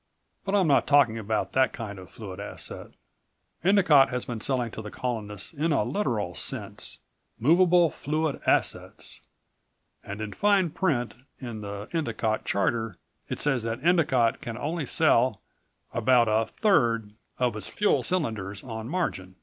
But I'm not talking about that kind of fluid asset. Endicott has been selling to the Colonists in a literal sense moveable fluid assets. And in fine print in the Endicott charter it says that Endicott can only sell about a third of its fuel cylinders on margin.